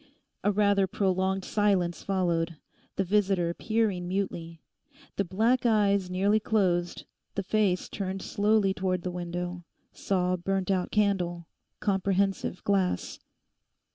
A rather prolonged silence followed, the visitor peering mutely. The black eyes nearly closed, the face turned slowly towards the window, saw burnt out candle, comprehensive glass.